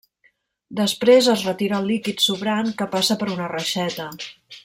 Després, es retira el líquid sobrant, que passa per una reixeta.